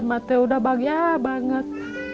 mati udah bahagia banget